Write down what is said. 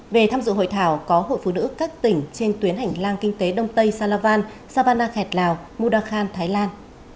về tham dự hội thảo có hội phụ nữ các tỉnh trên tuyến hành lang kinh tế đông tây salavan sabana khẹt lào mudakhan thái lan